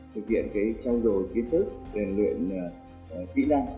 thực hiện cái trao dồi kỹ tước để luyện kỹ năng